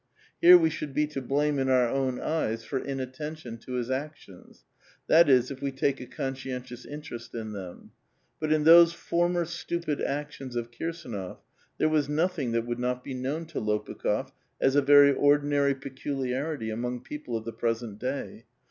Here we should be to blame in our own eyes for inattention to his actions ; that is, if we take a conscientious interest in them. But in those former stupid actions of Kirsdnof there was nothing that would not be known to Lopukh^f as a ver}' ordinary peculiarity among people of the present day.